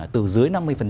từ dưới năm mươi